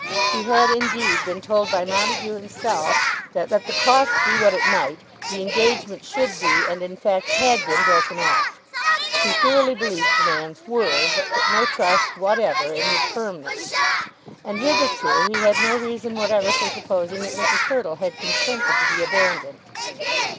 He had, indeed, been told by Montague himself that, let the cost be what it might, the engagement should be and in fact had been broken off. He thoroughly believed the man's word, but put no trust whatever in his firmness. And, hitherto, he had no reason whatever for supposing that Mrs. Hurtle had consented to be abandoned.